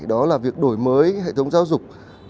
đó là việc đổi mới hệ thống giáo dục